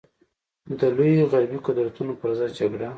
د لویو غربي قدرتونو پر ضد جګړه.